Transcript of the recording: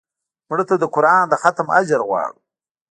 مړه ته د قرآن د ختم اجر غواړو